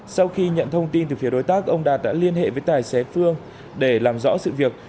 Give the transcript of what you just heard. sau khi nhận thông tin từ phía đối tác ông đạt đã liên hệ với tài xế phương để làm rõ sự việc